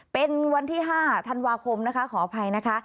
เป็นวันที่๕ธันวาคมนะคะขออภัยนะคะ